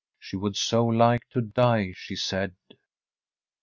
She would so like to die, she said.